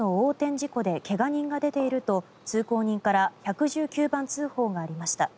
事故で怪我人が出ていると通行人から１１９番通報がありました。